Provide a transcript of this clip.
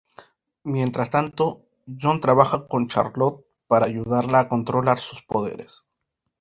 Mientras tanto, John trabaja con Charlotte para ayudarla a controlar sus poderes.